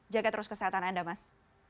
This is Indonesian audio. jaga terus kesehatan anda mas